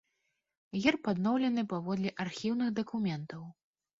Герб адноўлены паводле архіўных дакументаў.